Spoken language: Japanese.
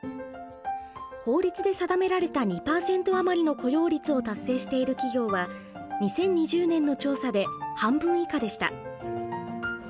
法律で定められた２％余りの雇用率を達成している企業は２０２０年の調査で半分以下でした。